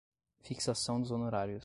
fixação dos honorários